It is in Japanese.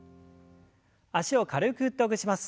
脚を軽く振ってほぐします。